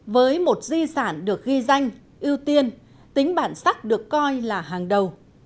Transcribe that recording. với một di sản được ghi danh ưu tiên tính bản sắc được coi là hàng đầu